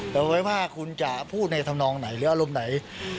แต่ไว้ว่าคุณจะพูดในธรรมนองไหนหรืออารมณ์ไหน